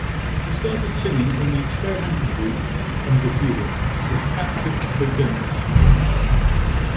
He started singing in the experimental group "Under Viewer" with Patrick Codenys.